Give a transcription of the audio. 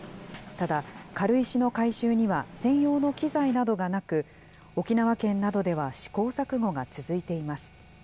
ただ、軽石の回収には専用の機材などがなく、沖縄県などでは試行錯誤が続いています。